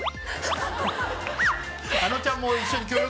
あのちゃんも一緒に協力。